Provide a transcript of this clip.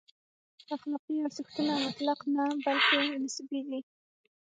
اخلاقي ارزښتونه مطلق نه، بلکې نسبي دي.